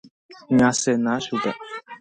Ñasẽna chupe.